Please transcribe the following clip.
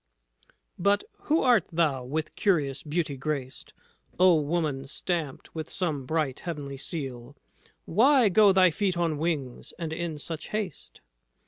"But who art thou, with curious beauty graced, O woman, stamped with some bright heavenly seal Why go thy feet on wings, and in such haste?"